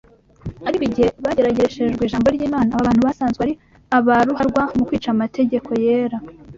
Ariko igihe bageragereshejwe ijambo ry’Imana, aba bantu basanzwe ari ba ruharwa mu kwica amategeko yera